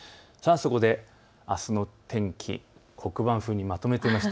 そこであすの天気、黒板風にまとめてみました。